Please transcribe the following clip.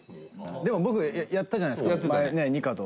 でも、僕、やったじゃないですか前ね、ニカと。